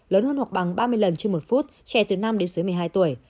lớn hơn hoặc bằng ba mươi lần trên một phút trẻ từ năm đến dưới một mươi hai tuổi